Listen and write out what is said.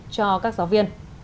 cho các giáo viên